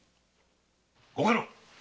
・ご家老。